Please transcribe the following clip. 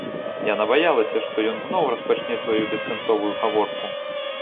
Яна баялася, што ён зноў распачне сваю бесканцовую гаворку.